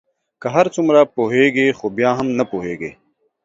که هر څومره پوهیږی خو بیا هم نه پوهیږې